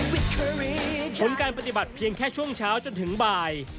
ผลการปฏิบัติเพียงแค่ช่วงเช้าจนถึงบ่าย